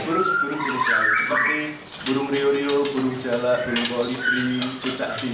terus di sini sudah ada ekstrabuti seperti gerbik berukur ilet kaki vitamin